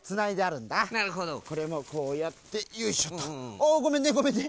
あごめんねごめんね。